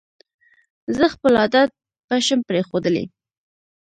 زه خپل عادت پشم پرېښودلې